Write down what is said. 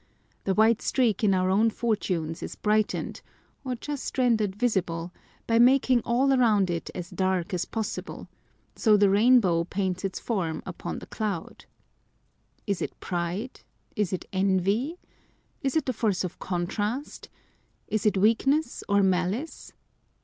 The white streak in our own fortunes is brightened (or just rendered visible) by making all around it as dark as possible ; so the rain bow paints its form upon the cloud. Is it pride ? Is it envy ? Is it the force of contrast ? Is it weakness or malice